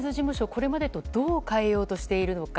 これまでとどう変えようとしているのか。